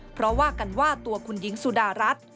เพราะว่ากันว่าตัวคุณหญิงสุดารัฐ